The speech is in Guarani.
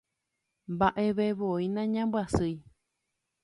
Mba'evevoi nañambyasýi